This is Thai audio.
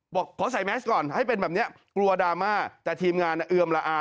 บอกขอใส่แมสก่อนให้เป็นแบบนี้กลัวดราม่าแต่ทีมงานเอือมละอา